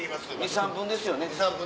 ２３分ですよね。